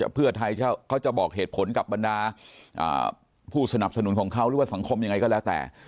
เพื่อไทยเขาจะบอกเหตุผลกับบรรดาผู้สนับสนุนของเขาหรือว่าสังคมยังไงก็แล้วแต่